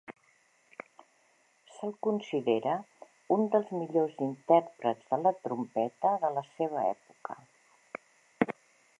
Se'l considera un dels millors intèrprets de la trompeta de la seva època.